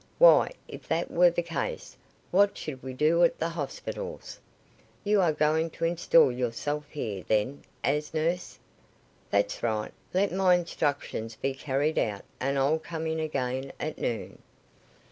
Why, if that were the case, what should we do at the hospitals? You are going to install yourself here, then, as nurse? That's right. Let my instructions be carried out, and I'll come in again at noon."